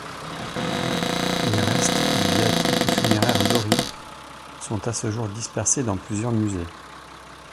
Les restes du viatique funéraire d'Hori sont à ce jour dispersés dans plusieurs musées.